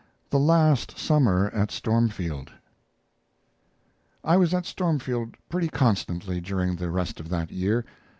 THE LAST SUMMER AT STORMFIELD I was at Stormfield pretty constantly during the rest of that year.